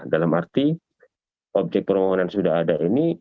dalam arti objek permohonan sudah ada ini